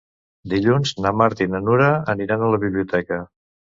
Dilluns na Marta i na Nura aniran a la biblioteca.